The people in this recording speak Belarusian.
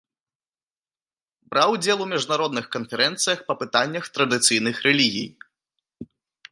Браў удзел у міжнародных канферэнцыях па пытаннях традыцыйных рэлігій.